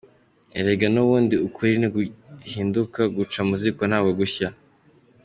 Erega n’ubundi ukuri ntiguhinduka, guca mu ziko ntabwo gushya.